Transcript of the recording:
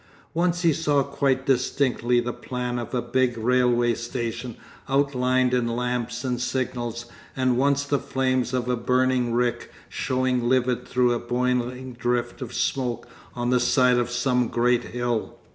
Once he saw quite distinctly the plan of a big railway station outlined in lamps and signals, and once the flames of a burning rick showing livid through a boiling drift of smoke on the side of some great hill.